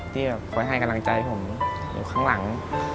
ที่คอยให้กำลังใจผมอยู่ข้างหลัง